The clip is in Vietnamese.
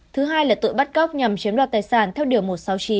thứ hai là tội bắt cóc nhằm chiếm đoạt tài sản theo điều một trăm sáu mươi chín